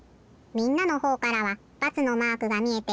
みんなのほうからは×のマークがみえて。